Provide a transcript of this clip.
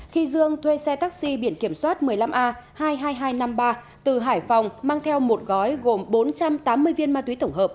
khi dương thuê xe taxi biển kiểm soát một mươi năm a hai mươi hai nghìn hai trăm năm mươi ba từ hải phòng mang theo một gói gồm bốn trăm tám mươi viên ma túy tổng hợp